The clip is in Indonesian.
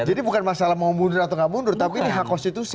jadi bukan masalah mau mundur atau tidak mundur tapi ini hak konstitusi